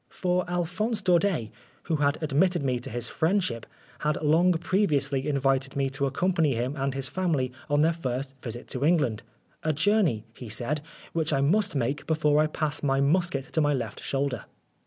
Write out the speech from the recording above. For Alphonse Daudet, who had admitted me to his friendship, had long previously invited me to accompany him and his family on their first visit to England, "a journey,' 1 he said, " which I must make before I pass my musket to my left shoulder."